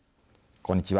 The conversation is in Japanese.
こんにちは。